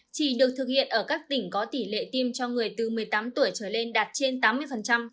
chỉ được thực hiện ở các tỉnh có tỷ lệ tiêm cho người từ một mươi tám tuổi trở lên đạt trên tám mươi